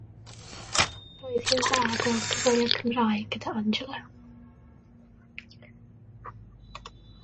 Roedd hi'n dda gweld cyfweliad Cymraeg gydag Angela.